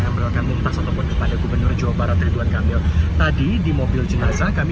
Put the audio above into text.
emeril kan mumtaz ataupun kepada gubernur jawa barat ridwan kamil tadi di mobil jenazah kami